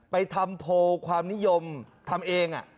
ไปทำโพลความนิยมทำเอง